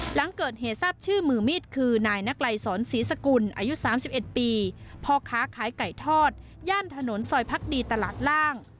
หลังเกิดเหตุทราบชื่อมือมีดคือนายนักไลสอนศรีสกุลอายุ๓๑ปีพ่อค้าขายไก่ทอดย่านถนนซอยพักดีตลาดล่าง